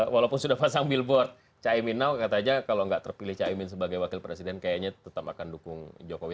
walaupun sudah pasang billboard cahimin now kalau enggak terpilih cahimin sebagai wakil presiden kayaknya tetap akan dukung jokowi